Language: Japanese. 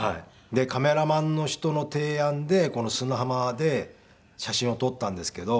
でカメラマンの人の提案でこの砂浜で写真を撮ったんですけど。